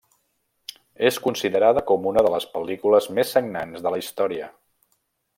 És considerada com una de les pel·lícules més sagnants de la història.